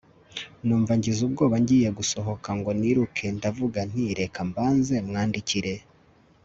numva ngize ubwoba, ngiye gusohoka ngo niruke ndavuga nti reka mbanze mwandikire